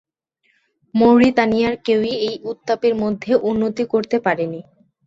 মৌরিতানিয়ার কেউ-ই এই উত্তাপের মধ্যে উন্নতি করতে পারেনি।